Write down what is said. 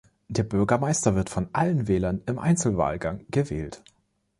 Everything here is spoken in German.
Der Bürgermeister wird von allen Wählern im Einzelwahlgang gewählt.